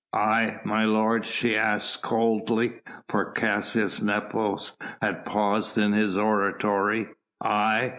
"I, my lord?" she asked coldly, for Caius Nepos had paused in his oratory, "I?